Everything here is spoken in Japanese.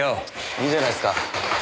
いいじゃないすか。